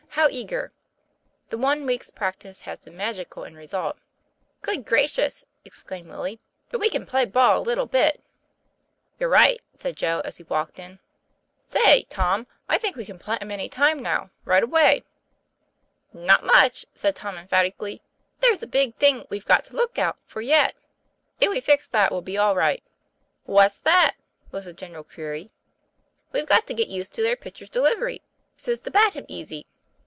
how eager! The one week's practice has been magical in result. "Good gracious!" exclaimed Willie, "but we can play ball a little bit." "You're right," said Joe as he walked in. 'Say, Tom, I think we can play 'em any time, now right away." 'Not much!" said Tom emphatically. 'There's a big thing we've got to look out for yet; if we fix that we'll be all right." 'What's that?" was the general query. 'We've got to get used to their pitcher's delivery, so's to bat him easy.